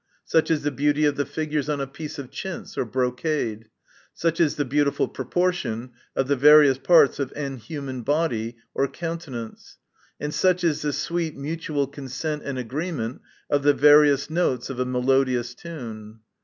Such is the beauty of the figures on a piece of chints, or brocade. — Such is the beautiful proportion of the various parts of a human body, or countenance. And such is the sweet mutual consent and agreement of the various notes of a melodious tune.